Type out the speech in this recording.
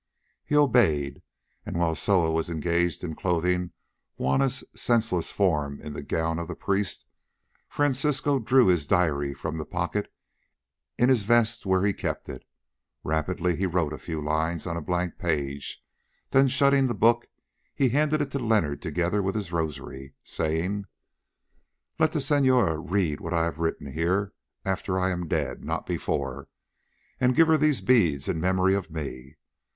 He obeyed, and while Soa was engaged in clothing Juanna's senseless form in the gown of the priest, Francisco drew his diary from the pocket in his vest where he kept it. Rapidly he wrote a few lines on a blank page, then shutting the book he handed it to Leonard together with his rosary, saying: "Let the Senora read what I have written here, after I am dead, not before, and give her these beads in memory of me.